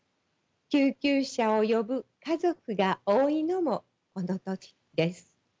救急車を呼ぶ家族が多いのもこの時です。